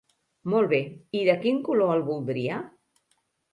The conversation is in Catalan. Molt bé, i de quin color el voldria?